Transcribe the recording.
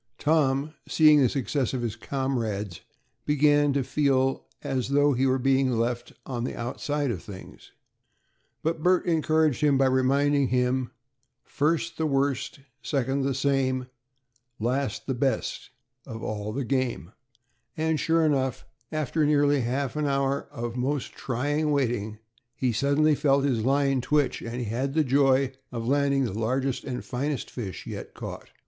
Tom, seeing the success of his comrades, began to feel as though he were being left on the outside of things, but Bert encouraged him by reminding him, "First the worst, second the same, last the best of all the game," and sure enough, after nearly half an hour of most trying waiting, he suddenly felt his line twitch, and had the joy of landing the largest and finest fish yet caught.